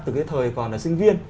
từ cái thời còn là sinh viên